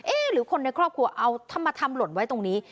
เอ๊ะหรือคนในครอบครัวเอาธรรมธรรมหล่นไว้ตรงนี้